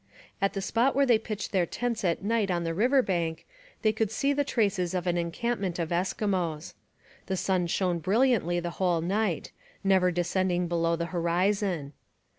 At the spot where they pitched their tents at night on the river bank they could see the traces of an encampment of Eskimos. The sun shone brilliantly the whole night, never descending below the horizon.